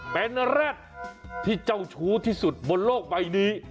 เป็นแร็ดที่เจ้าชู้ที่สุดบนโลกใบนี้